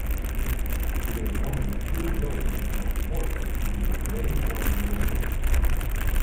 It is one of three buildings on Portland to be Grade One Listed.